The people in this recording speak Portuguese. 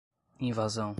invasão